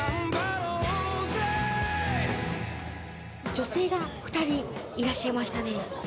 女性が２人いらっしゃいましたね。